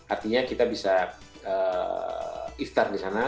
artinya kita bisa iftar di sana